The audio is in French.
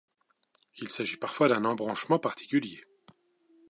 Il s'agit parfois d'un embranchement particulier.